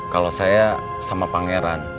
kalau saya sama pangeran